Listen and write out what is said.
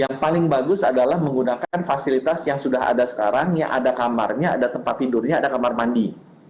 yang paling bagus adalah menggunakan fasilitas yang sudah ada sekarang yang ada kamarnya ada tempat tidurnya ada kamar mandi